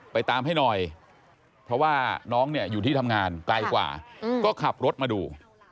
ไปตามให้หน่อยเพราะว่าน้องเนี่ยอยู่ที่ทำงานไกลกว่าก็ขับรถมาดู